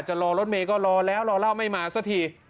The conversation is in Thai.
รอรถเมย์ก็รอแล้วรอเล่าไม่มาสักที